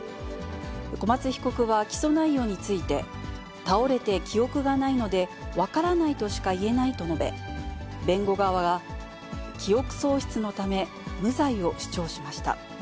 小松被告は起訴内容について、倒れて記憶がないので、分からないとしか言えないと述べ、弁護側が、記憶喪失のため無罪を主張しました。